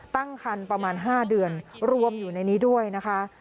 ตั้งคันประมาณ๕เดือนรวมอยู่ในนี้ด้วยนะคะ